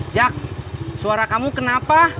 jak suara kamu kenapa